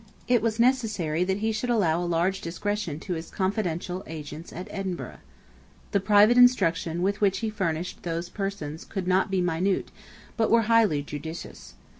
It was necessary that he should allow a large discretion to his confidential agents at Edinburgh. The private instructions with which he furnished those persons could not be minute, but were highly judicious.